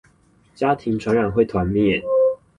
家庭傳染會團滅